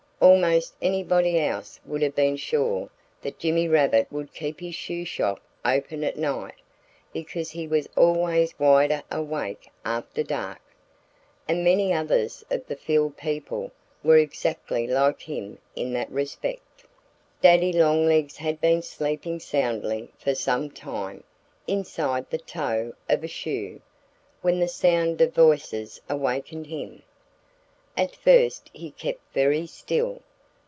Almost anybody else would have been sure that Jimmy Rabbit would keep his shoe shop open at night, because he was always wider awake after dark. And many others of the field people were exactly like him in that respect. Daddy Longlegs had been sleeping soundly for some time inside the toe of a shoe when the sound of voices awakened him. At first he kept very still.